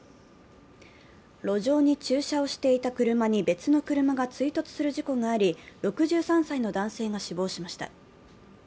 路上に駐車をしていた車に別の車が追突する事故があり６３歳の男性が死亡しました。